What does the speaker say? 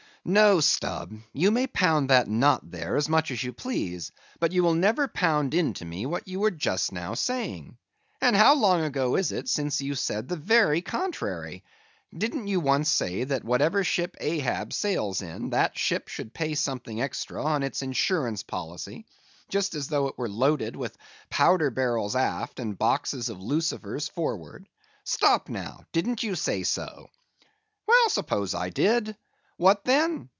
_ "No, Stubb; you may pound that knot there as much as you please, but you will never pound into me what you were just now saying. And how long ago is it since you said the very contrary? Didn't you once say that whatever ship Ahab sails in, that ship should pay something extra on its insurance policy, just as though it were loaded with powder barrels aft and boxes of lucifers forward? Stop, now; didn't you say so?" "Well, suppose I did? What then?